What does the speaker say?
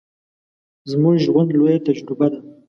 زموږ ژوند، لويه تجربه ده.